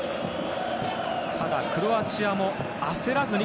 ただ、クロアチアも焦らずに。